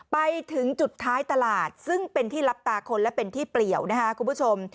ไปถึงจุดท้ายตลาดซึ่งเป็นที่รับตาคนและเป็นที่เปลี่ยวนะคะคุณผู้ชม